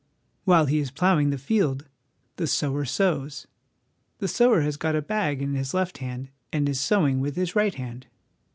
While he is ploughing the field the sower sows. The sower has got a bag in his left hand and is sowing with his right hand.